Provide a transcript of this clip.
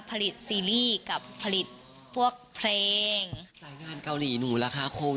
ผลิตซีรีส์กับผลิตพวกเพลงแสดงงานเกาหลีหนูแหละค่ะ